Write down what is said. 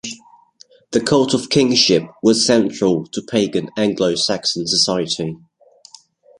The cult of kingship was central to pagan Anglo-Saxon society.